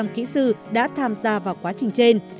bảy trăm linh kỹ sư đã tham gia vào quá trình trên